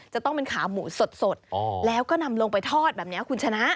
จะต้องเป็นขาหมูสดแล้วก็นำลงไปทอดแบบนี้คุณชนะ